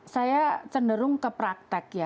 saya cenderung ke praktek